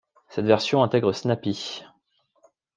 Cette version intègre Snappy.